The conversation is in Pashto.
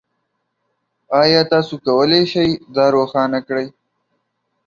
ایا تاسو کولی شئ دا روښانه کړئ؟